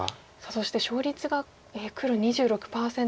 そして勝率が黒２６％と。